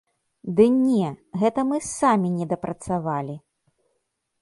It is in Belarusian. Ды не, гэта мы самі недапрацавалі!